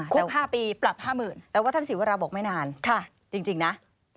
ครบ๕ปีปรับ๕๐๐๐แต่ว่าท่านศรีวราบอกไม่นานจริงนะ